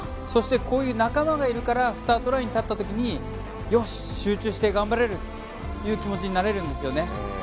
そして、こういう仲間がいるからスタートラインに立った時によし、集中して頑張れるという気持ちになれるんですよね。